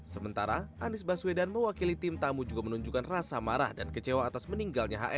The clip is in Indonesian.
sementara anies baswedan mewakili tim tamu juga menunjukkan rasa marah dan kecewa atas meninggalnya hmm